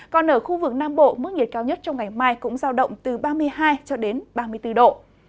còn ở khu vực nam bộ mức nhiệt cao nhất trong ngày mai cũng giao động từ ba mươi hai ba mươi bốn độ